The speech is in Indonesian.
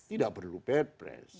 tidak perlu perpres